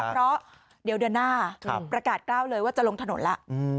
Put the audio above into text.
เพราะเดี๋ยวเดือนหน้าประกาศกล้าวเลยว่าจะลงถนนแล้ว